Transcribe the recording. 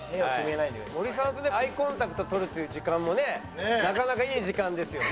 森さんとねアイコンタクト取るっていう時間もねなかなかいい時間ですよね。